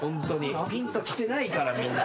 ぴんときてないからみんな。